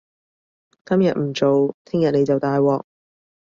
今日唔做，聽日你就大鑊